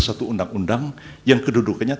satu undang undang yang kedudukannya